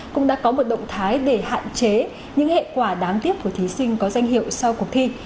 cũng đã có một động thái để hạn chế những hệ quả đáng tiếc của thí sinh có danh hiệu sau cuộc thi